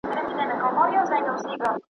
چي په کوڅو کي ګرځي ناولي .